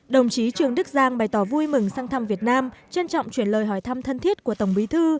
đồng chí trương đức giang bày tỏ vui mừng sang thăm việt nam trân trọng chuyển lời hỏi thăm thân thiết của tổng bí thư